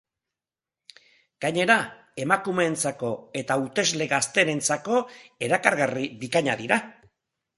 Gainera, emakumeentzako eta hautesle gazteenentzako erakargarri bikaina dira.